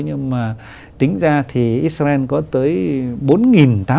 nhưng mà tính ra thì israel có tới